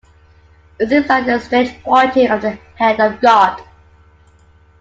It seems like a strange pointing of the hand of God.